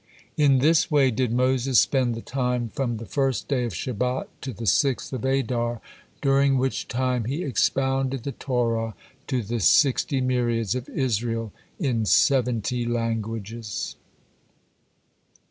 In this way did Moses spend the time from the first day of Shebat to the sixth of Adar, during which time he expounded the Torah to the sixty myriads of Israel in seventy languages.